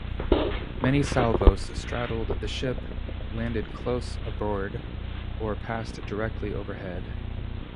Many salvos straddled the ship, landed close aboard, or passed directly overhead.